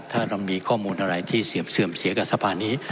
ถ้าเรามีข้อมูลอะไรที่เสื่อมเสียกับสภานี้